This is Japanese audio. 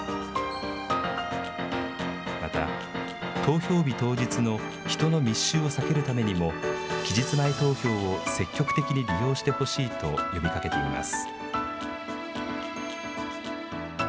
また、投票日当日の人の密集を避けるためにも、期日前投票を積極的に利用してほしいと呼びかけています。